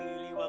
duduk ya tuhan